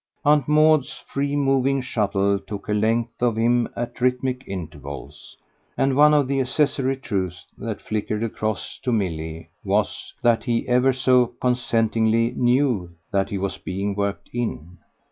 Aunt Maud's free moving shuttle took a length of him at rhythmic intervals; and one of the accessory truths that flickered across to Milly was that he ever so consentingly knew he was being worked in.